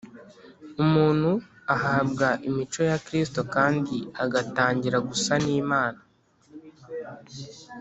umuntu ahabwa imico ya kristo kandi agatangira gusa n’imana